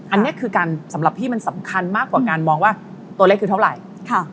อันนี้คือการสำหรับพี่มันสำคัญมากกว่าการมองว่าตัวเลขคือเท่าไหร่